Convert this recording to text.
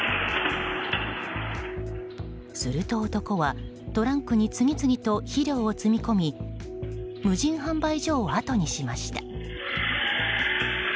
すると男は、トランクに次々と肥料を積み込み無人販売所をあとにしました。